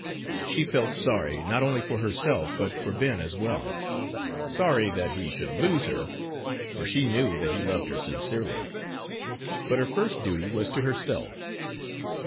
She felt sorry not only for herself, but for Ben as well sorry that he should lose her for she knew that he loved her sincerely. But her first duty was to herself.